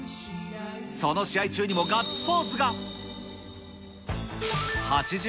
その試合中にもガッツポーズが。